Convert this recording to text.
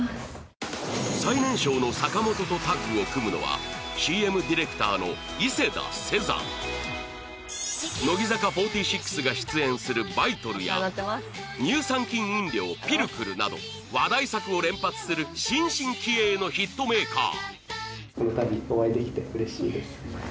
最年少の坂本とタッグを組むのはＣＭディレクターの伊勢田世山乃木坂４６が出演する「バイトル」や乳酸菌飲料「ピルクル」など話題作を連発する新進気鋭のヒットメーカー